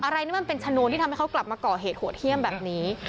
อะไรนี่มันเป็นชนวนที่ทำให้เขากลับมาก่อเหตุโหดเยี่ยมแบบนี้